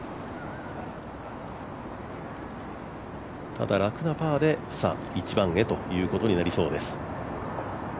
ただ楽なパーで１番へということになりそうです。